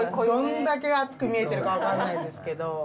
どんだけ厚く見えてるか分かんないですけど。